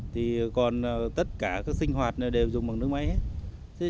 thì còn tất cả các sinh hoạt đều dùng bằng nước máy hết